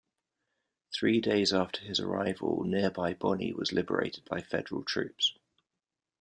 Three days after his arrival, nearby Bonny was liberated by federal troops.